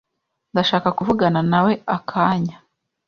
Ndashaka kuvugana nawe akanya.